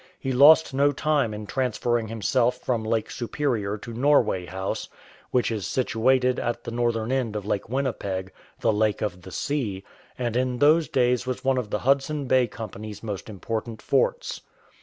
He lost no time in transferring himself from Lake Superior to Norway House, which is situated at the northern end of Lake Winnipeg, " The Lake of the Sea,"*' and in those days was one of the Hudson Bay Company's most important forts.